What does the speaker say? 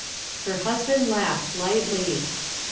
Her husband laughed lightly.